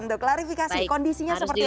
untuk klarifikasi kondisinya seperti apa di sana